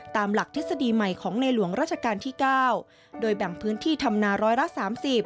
ตามหลักทฤษฎีใหม่ของในหลวงราชการที่๙โดยแบ่งพื้นที่ทำนาร้อยละ๓๐